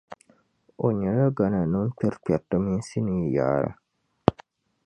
O nyɛla Ghana nima kpɛrikpɛrita mini sinii yaara.